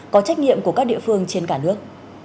có trách nhiệm của các địa phương trên cả nước